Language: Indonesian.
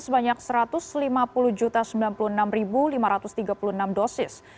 sebanyak satu ratus lima puluh sembilan puluh enam lima ratus tiga puluh enam dosis